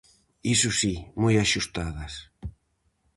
Iso si, moi axustadas.